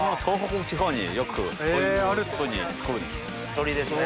鶏ですね。